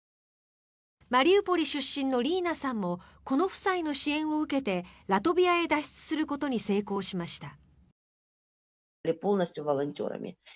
マリウポリ出身のリーナさんもこの夫妻の支援を受けてラトビアへ脱出することに成功しました。